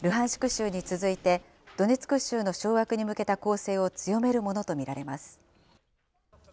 州に続いて、ドネツク州の掌握に向けた攻勢を強めるものと見られます。